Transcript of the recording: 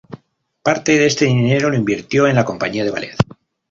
Parte de este dinero lo invirtió en la compañía de ballet.